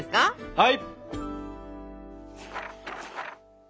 はい！